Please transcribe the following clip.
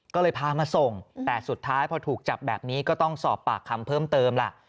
ก็เลยพามาส่งแต่สุดท้ายพอถูกจับแบบนี้ก็ต้องสอบปากคำเพิ่มเติมล่ะ